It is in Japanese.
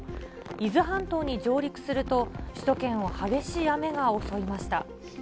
伊豆半島に上陸すると、、首都圏を激しい雨が襲いました。